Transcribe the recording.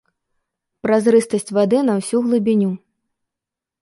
Празрыстасць вады на ўсю глыбіню.